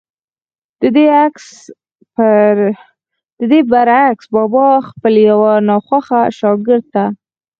ددې برعکس بابا خپل يو ناخوښه شاګرد ته